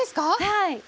はい。